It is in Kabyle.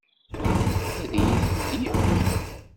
Ad iyi-ten-yefk?